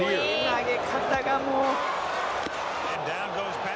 投げ方がもう」